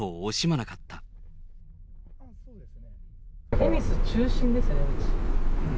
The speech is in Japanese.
テニス中心ですよね。